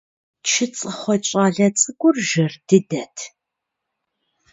ЧыцӀыхъуэ щӀалэ цӀыкӀур жэр дыдэт.